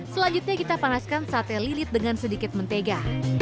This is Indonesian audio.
selanjutnya kita panaskan sate lilit dengan sedikit mentega